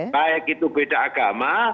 baik itu beda agama